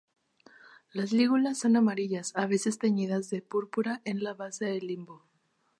Las lígulas son amarillas, a veces teñidas de púrpura en la base del limbo.